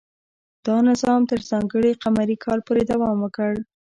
دا نظام تر ځانګړي قمري کال پورې دوام وکړ.